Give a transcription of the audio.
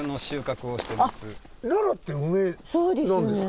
奈良って梅なんですか？